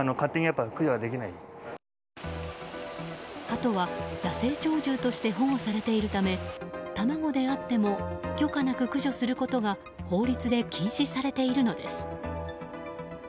ハトは野生鳥獣として保護されているため卵であっても許可なく駆除することが法律で禁止されているのです。